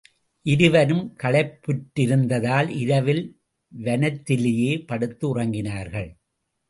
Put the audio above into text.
இருவரும் களைப்புற்றிருந்ததால், இரவில் வனத்திலேயே படுத்து உறங்கினார்கள்.